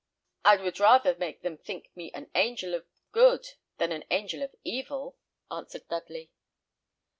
"I would rather make them think me an angel of good than an angel of evil," answered Dudley.